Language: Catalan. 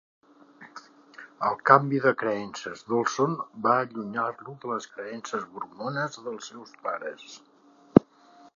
El canvi de creences d'Olson va allunyar-lo de les creences mormones dels seus pares.